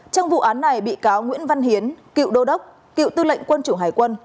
trong vụ án này bị cáo nguyễn văn hiến cựu đô đốc cựu tư lệnh quân chủng hải quân